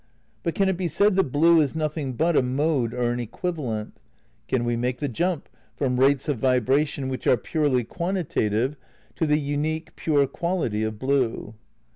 But can it be said that blue is nothing but a mode or an eqidv alent ? Can we make the jump from rates of vibration which are purely quantitative to the unique, pure qual ity of blue?